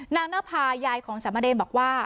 นางนภายายของสามเณรบอกว่า